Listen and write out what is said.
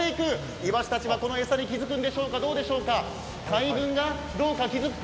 イワシたちはこの餌に気づくんでしょうか、大群が気づくか？